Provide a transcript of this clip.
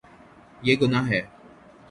یے گناہ ہے